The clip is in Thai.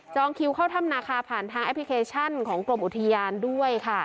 คิวเข้าถ้ำนาคาผ่านทางแอปพลิเคชันของกรมอุทยานด้วยค่ะ